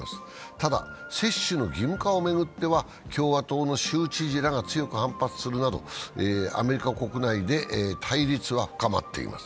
ただ、接種の義務化を巡っては共和党の州知事らが強く反発するなどアメリカ国内で対立は深まっています。